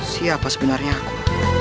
siapa sebenarnya aku